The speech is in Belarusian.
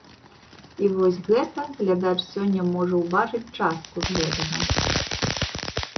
І вось гэта глядач сёння можа ўбачыць частку з гэтага.